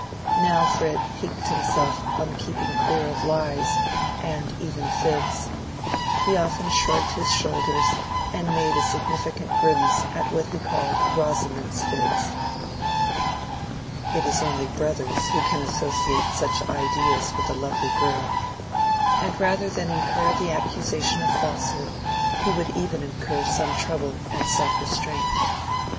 Now Fred piqued himself on keeping clear of lies, and even fibs; he often shrugged his shoulders and made a significant grimace at what he called Rosamond's fibs (it is only brothers who can associate such ideas with a lovely girl); and rather than incur the accusation of falsehood he would even incur some trouble and self restraint.